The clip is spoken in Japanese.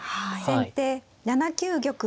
先手７九玉。